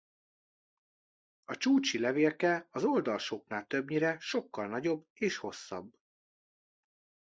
A csúcsi levélke az oldalsóknál többnyire sokkal nagyobb és hosszabb.